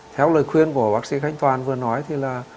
theo lời khuyên của bác sĩ khánh toàn vừa nói thì là